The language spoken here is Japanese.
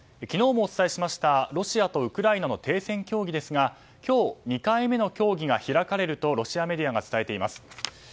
昨日もお伝えしましたロシアとウクライナの停戦協議ですが今日、２回目の協議が開かれるとロシアメディアが伝えています。